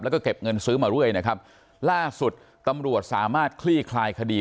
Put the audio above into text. แล้วก็เก็บเงินซื้อมาเรื่อยนะครับล่าสุดตำรวจสามารถคลี่คลายคดี